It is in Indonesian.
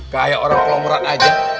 kayak orang kelomoran aja